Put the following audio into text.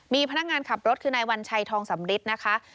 มีพนักงานขับรถคือนายวัญชัยทองสำริทนะคะ